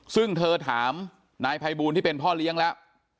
ซึ่งเธอถามนายภัยบูลที่เป็นพ่อเลี้ยงแล้ว